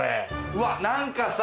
うわっ何かさ。